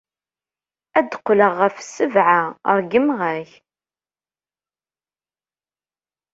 Ad d-qqleɣ ɣef ssebɛa, ṛeggmeɣ-ak.